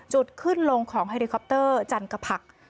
จุดขึ้นลงของเฮริคอปเตอร์จันกผัก